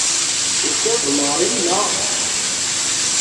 Tufiḍ-d Mary, naɣ?